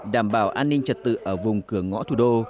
đảm bảo an ninh trật tự ở vùng cửa ngõ thủ đô